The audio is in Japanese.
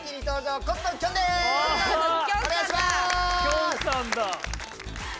きょんさんだ！